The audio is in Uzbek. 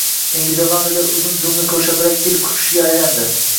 Yangi Zelandiyada uzun dumli ko‘rshapalak yil qushiga aylanadi